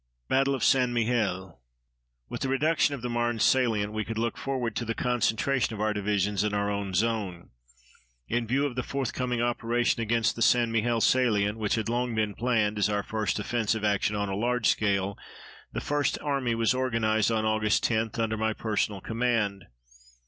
BATTLE OF ST. MIHIEL With the reduction of the Marne salient, we could look forward to the concentration of our divisions in our own zone. In view of the forthcoming operation against the St. Mihiel salient, which had long been planned as our first offensive action on a large scale, the First Army was organized on Aug. 10 under my personal command.